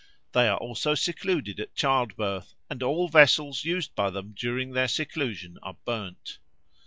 They are also secluded at childbirth, and all vessels used by them during their seclusion are burned.